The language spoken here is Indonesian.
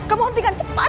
kamu hentikan cepat